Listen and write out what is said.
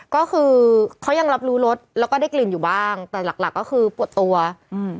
ก็คือเขายังรับรู้รสแล้วก็ได้กลิ่นอยู่บ้างแต่หลักหลักก็คือปวดตัวอืม